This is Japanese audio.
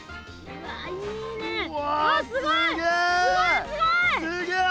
うわすげえ。